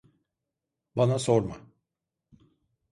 Bana sorma.